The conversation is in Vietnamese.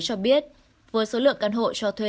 cho biết với số lượng căn hộ cho thuê